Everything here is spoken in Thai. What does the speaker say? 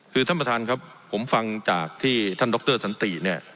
คือท่านประธานครับผมฟังจากที่ท่านดรสันติเนี่ย